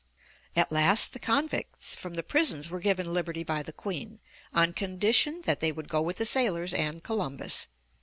At last the convicts from the prisons were given liberty by the Queen, on condition that they would go with the sailors and Columbus.